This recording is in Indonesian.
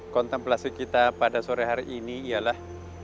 kontemplasi kita pada sore hari ini ialah